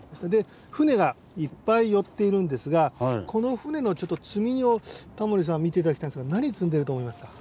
船がいっぱい寄っているんですがこの船のちょっと積み荷をタモリさん見て頂きたいんですが何積んでると思いますか？